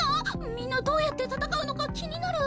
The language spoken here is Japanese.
みんなどうやって戦うのか気になる。